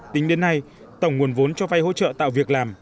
tính đến nay tổng nguồn vốn cho vay hỗ trợ tạo việc làm